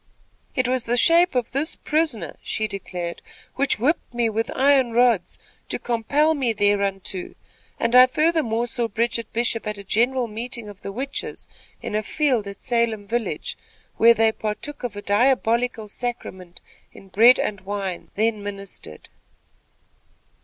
"It was the shape of this prisoner," she declared, "which whipped me with iron rods, to compel me thereunto, and I furthermore saw Bridget Bishop at a general meeting of the witches, in a field at Salem village, where they partook of a diabolical sacrament in bread and wine, then administered."